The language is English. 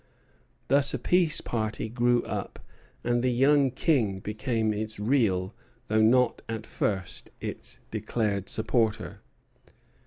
Thus a peace party grew up, and the young King became its real, though not at first its declared, supporter.